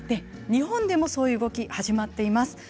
日本でもそういう動きが始まっています。